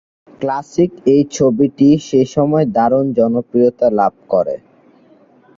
Classic এই ছবিটি সেসময় দারুন জনপ্রিয়তা লাভ করে।